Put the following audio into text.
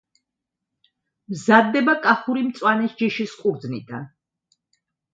მზადდება კახური მწვანეს ჯიშის ყურძნიდან.